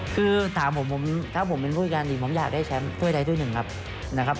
คือถามผมถ้าผมเป็นผู้อีกการสิผมอยากได้แชมป์เท่าไหร่เท่าไหร่หนึ่งครับ